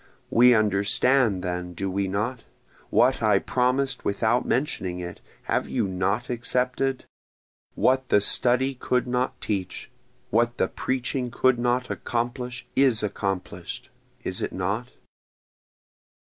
We understand then do we not? What I promis'd without mentioning it, have you not accepted? What the study could not teach what the preaching could not accomplish is accomplish'd, is it not?